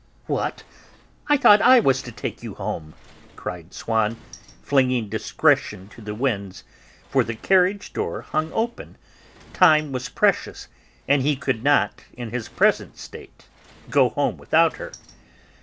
"What! I thought I was to take you home," cried Swann, flinging discretion to the winds, for the carriage door hung open, time was precious, and he could not, in his present state, go home without her.